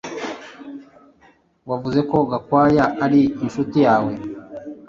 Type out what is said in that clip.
Wavuze ko Gakwaya ari inshuti yawe